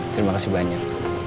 terima kasih banyak